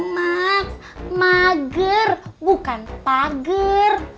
maks mager bukan pager